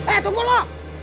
eh tunggu lo